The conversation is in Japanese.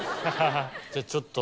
じゃあちょっと。